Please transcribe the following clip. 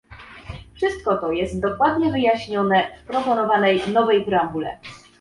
Wszystko to jest dokładnie wyjaśnione w proponowanej nowej preambule